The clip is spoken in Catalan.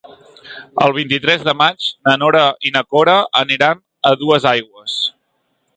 El vint-i-tres de maig na Nora i na Cora aniran a Duesaigües.